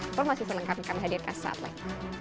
informasi selengkapnya kami hadirkan saat lain